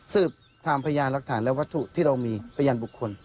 สืบตามพยานหลักฐานและวัตถุที่เรามีพยานบุคคล